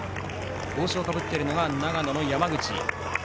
帽子をかぶっているのが長野の山口。